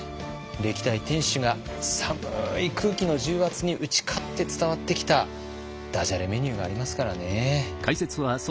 歴代店主が寒い空気の重圧に打ち勝って伝わってきたダジャレメニューがありますからね。